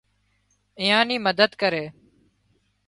ايئان نِي مدد ڪري